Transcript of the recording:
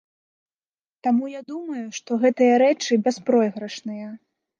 Таму я думаю, што гэтыя рэчы бяспройгрышныя.